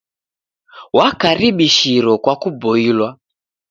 Wakaribishiro kwa kuboilwa.